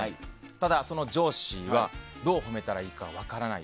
ただ、上司はどう褒めたらいいか分からない。